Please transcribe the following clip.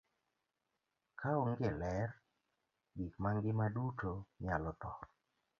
Ka onge ler, gik mangima duto nyalo tho.